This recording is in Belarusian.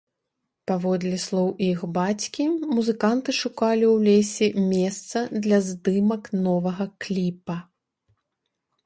Паводле слоў іх бацькі, музыканты шукалі ў лесе месца для здымак новага кліпа.